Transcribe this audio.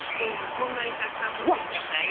こんなにたくさんもってきちゃったよ。